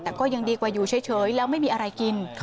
แต่ก็ยังดีกว่าอยู่เฉยแล้วไม่มีอะไรกิน